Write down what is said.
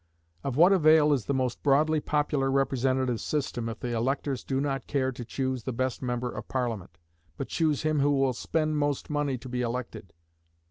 Of what avail is the most broadly popular representative system if the electors do not care to choose the best member of Parliament, but choose him who will spend most money to be elected?